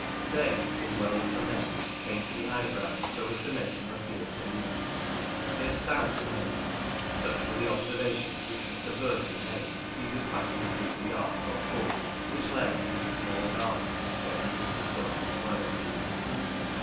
They (as well as the men) paint the eyebrows, so as to make them appear to meet. They are stout made. Such were the observations which Mr. Burton made, as he was passing through the yards, or courts, which led into the small garden where he was to sow his flower seeds.